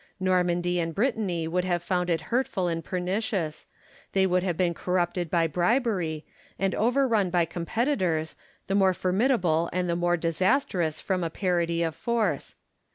Normandy and Brittany would have found it hurtful and pernicious : they would have been corrupted by bribery, and overrun by competitors, the more formidable and the more disastrous from a parity of force.